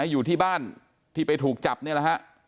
อยู่ที่บ้านที่ไปถูกจับนี่แหละฮะ